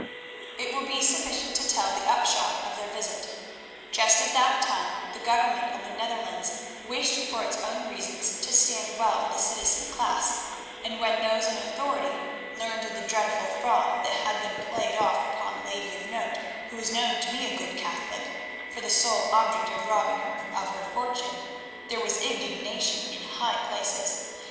It will be sufficient to tell the upshot of their visit. Just at that time the Government of the Netherlands wished for its own reasons to stand well with the citizen class, and when those in authority learned of the dreadful fraud that had been played off upon a lady of note who was known to be a good Catholic, for the sole object of robbing her of her fortune, there was indignation in high places.